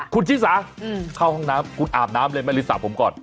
คุณชิสาเข้าห้องน้ำคุณอาบน้ำเลยไม่ลืมสระผมก่อน